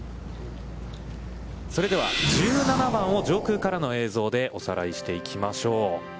それでは、１７番を上空からの映像でおさらいしていきましょう。